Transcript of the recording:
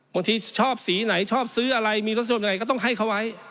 บางทีชอบสีไหนชอบซื้ออะไรมีรสนิยมยังไงก็ต้องให้เขาไว้